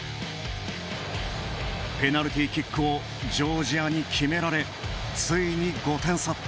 ペナルティキックをジョージアに決められついに５点差。